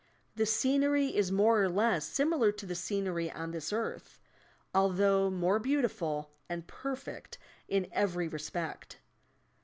The scenery is more or less similar to the scenery on this earth, although more beantiful and per fect in every respect.